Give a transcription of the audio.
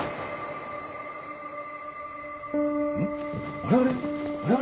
あれあれ？